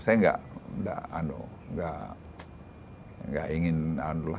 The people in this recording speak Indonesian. saya nggak nggak ingin di jakarta